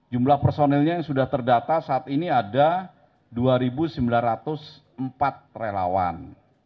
jumlah personilnya yang sudah terdata saat ini ada dua sembilan ratus empat relawan